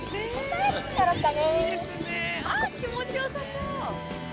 あきもちよさそう！